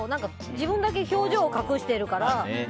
自分だけ表情隠してるから。